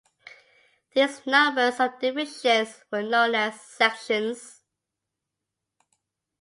These numbered subdivisions were known as Sections.